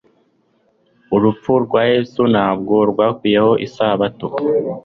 Urupfu rwa Yesu ntabwo rwakuyeho Isabato.